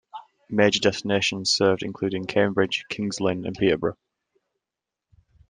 Major destinations served included Cambridge, King's Lynn and Peterborough.